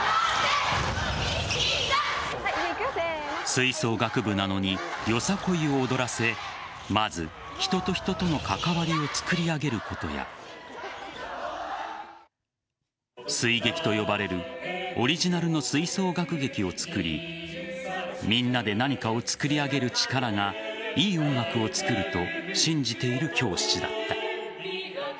吹奏楽部なのによさこいを踊らせまず人と人との関わりを作り上げることや吹劇と呼ばれるオリジナルの吹奏楽劇をつくりみんなで何かをつくり上げる力がいい音楽を作ると信じている教師だった。